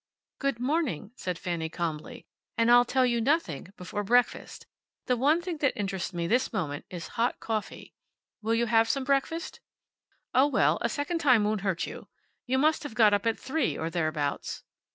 "Good morning," said Fanny, calmly. "And I'll tell you nothing before breakfast. The one thing that interests me this moment is hot coffee. Will you have some breakfast? Oh, well, a second one won't hurt you. You must have got up at three, or thereabouts."